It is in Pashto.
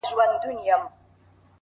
o هېره مي يې،